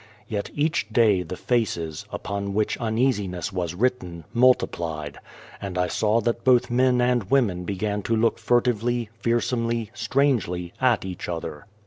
Yet each day the faces, upon which 269 A World uneasiness was written, multiplied ; and I saw that both men and women began to look fur tively, fearsomely, strangely, at each other.